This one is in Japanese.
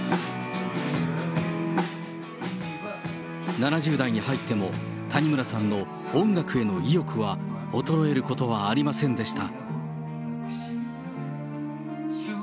７０代に入っても、谷村さんの音楽への意欲は衰えることはありませんでした。